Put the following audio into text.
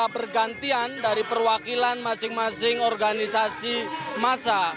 bergantian dari perwakilan masing masing organisasi masa